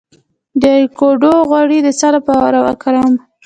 د ایوکاډو غوړي د څه لپاره وکاروم؟